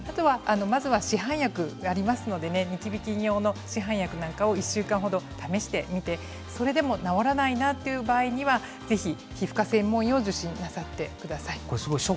市販薬がありますのでニキビ専用の市販薬を１週間程試してみて治らないなという場合にはぜひ、皮膚科専門医を受診してください。